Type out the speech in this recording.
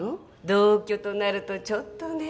同居となるとちょっとね。